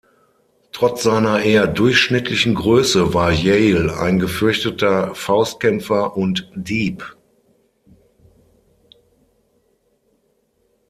Trotz seiner eher durchschnittlichen Größe war Yale ein gefürchteter Faustkämpfer und Dieb.